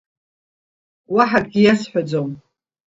Уаҳа акгьы иасҳәаӡом.